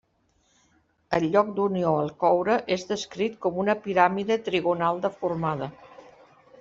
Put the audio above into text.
El lloc d'unió al coure és descrit com una piràmide trigonal deformada.